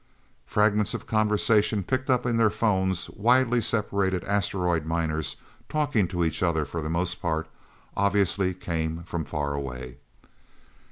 Fragments of conversations picked up in their phones widely separated asteroid miners talking to each other, for the most part obviously came from far away.